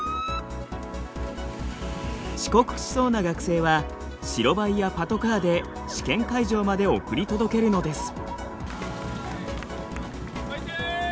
遅刻しそうな学生は白バイやパトカーで試験会場まで送り届けるのです。